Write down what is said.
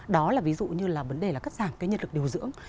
đó là ví dụ như là vấn đề là cắt giảm cái nhân lực điều dưỡng